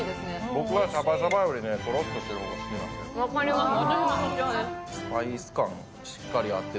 僕はシャバシャバよりとろっとしている方が好きなの。